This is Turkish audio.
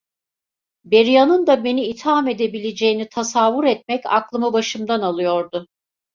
Beria’nın da beni itham edebileceğini tasavvur etmek aklımı başımdan alıyordu.